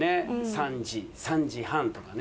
３時３時半とかね。